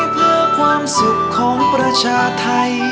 เพื่อความสุขของประชาไทย